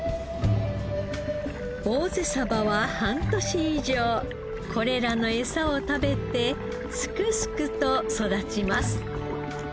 ぼうぜは半年以上これらの餌を食べてすくすくと育ちます。